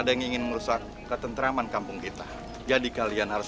ada yang ingin merusak ketentraman kampung kita jadi kalian harus